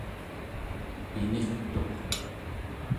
pinirtuq